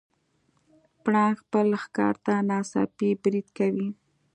پړانګ خپل ښکار ته ناڅاپي برید کوي.